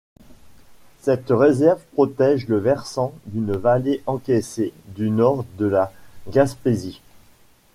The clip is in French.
Cette réserve protège le versant d'une vallée encaissée du nord de la Gaspésie.